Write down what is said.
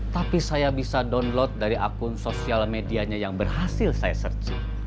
tapi saya bisa download dari akun sosial medianya yang berhasil saya search